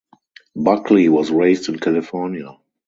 Buckley was raised in California.